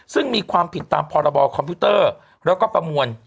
ซึ่งมีความผิดตามฝคแล้วก็ประมวล